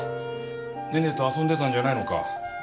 ネネと遊んでたんじゃないのか？